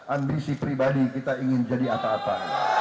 ambisi pribadi kita ingin jadi apa apa